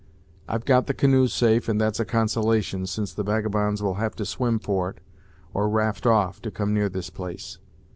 I've got the canoes safe, and that's a consolation, since the vagabonds will have to swim for it, or raft off, to come near this place.